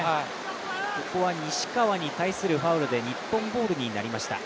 ここは西川に対するファウルで、日本ボールになりました。